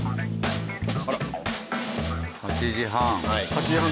８時半。